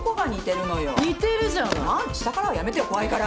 下からはやめてよ怖いから。